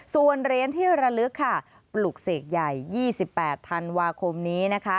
ส่วนเหรียญที่ระลึกค่ะปลุกเสกใหญ่๒๘ธันวาคมนี้นะคะ